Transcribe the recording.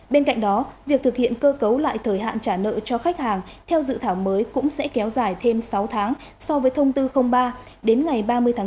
bên cạnh đó việc thực hiện cơ cấu lại thời hạn trả nợ cho khách hàng theo dự thảo mới cũng sẽ kéo dài thêm sáu tháng so với thông tư ba đến ngày ba mươi sáu hai nghìn hai mươi hai